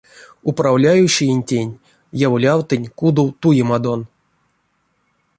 Управляющеентень яволявтынь кудов туемадон.